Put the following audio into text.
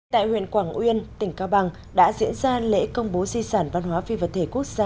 tại huyện quảng uyên tỉnh cao bằng đã diễn ra lễ công bố di sản văn hóa phi vật thể quốc gia